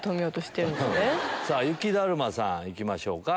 雪だるまさん行きましょうか。